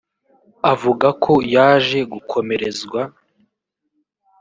Avuga ko yaje gukomerezwa